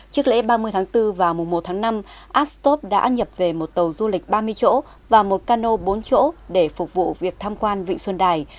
trước lễ ba mươi tháng bốn và mùa một tháng năm astop đã nhập về một tàu du lịch ba mươi chỗ và một cano bốn chỗ để phục vụ việc tham quan vịnh xuân đài